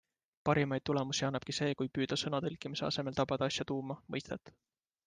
Parimaid tulemusi annabki see, kui püüda sõna tõlkimise asemel tabada asja tuuma, mõistet.